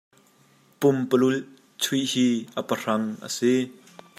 Pumpululh chuih hi a pahrang a si.